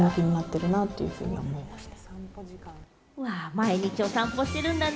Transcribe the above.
毎日お散歩しているんだね。